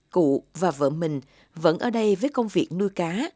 cụ và vợ mình vẫn ở đây với công việc nuôi cá